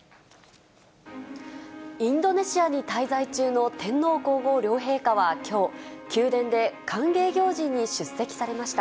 インドネシアに滞在中の天皇皇后両陛下はきょう、宮殿で歓迎行事に出席されました。